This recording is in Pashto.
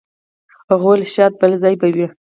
هغوی ویل شاید بل ځای به وئ.